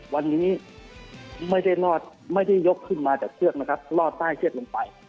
วันนี้ไม่ได้รอดไม่ได้ยกขึ้นมาจากเชือกนะครับรอดใต้เชือกลงไป